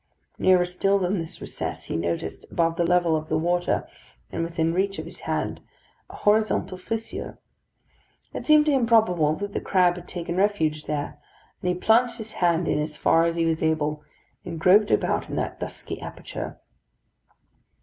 Nearer still than this recess he noticed, above the level of the water, and within reach of his hand, a horizontal fissure. It seemed to him probable that the crab had taken refuge there, and he plunged his hand in as far as he was able, and groped about in that dusky aperture.